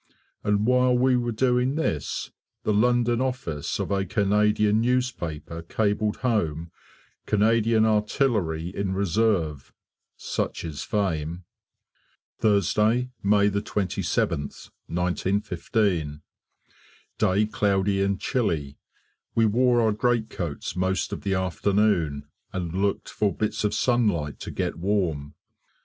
And while we were doing this, the London office of a Canadian newspaper cabled home "Canadian Artillery in reserve." Such is fame! Thursday, May 27th, 1915. Day cloudy and chilly. We wore our greatcoats most of the afternoon, and looked for bits of sunlight to get warm.